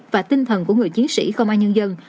và tinh thần của người chiến sĩ công an nhân dân